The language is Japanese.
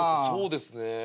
そうですね。